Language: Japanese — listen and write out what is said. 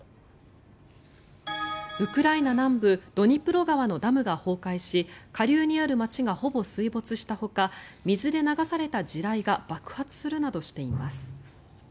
ウクライナ南部ドニプロ川のダムが崩壊し下流にある街がほぼ水没したほか水で流された地雷が爆発するなどしています。